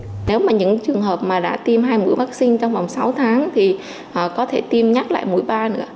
nếu mà những trường hợp mà đã tiêm hai mũi vaccine trong vòng sáu tháng thì có thể tiêm nhắc lại mũi ba nữa